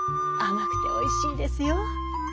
甘くておいしいですよ。